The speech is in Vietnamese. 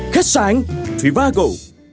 khách sạn trivago